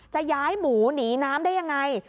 จะย้ายหมูหนีน้ำได้ยังไง